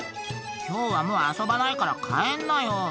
「今日はもう遊ばないから帰んなよ」